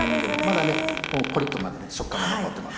まだコリっと食感が残ってます。